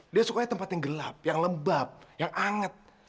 dia sukanya tempat yang gelap yang lembab yang anget